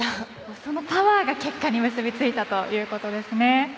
そのパワーが結果に結びついたということですね。